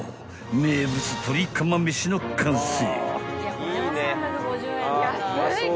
名物とり釜飯の完成］